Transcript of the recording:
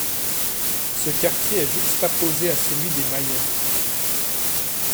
Ce quartier est juxtaposé à celui des Maillets.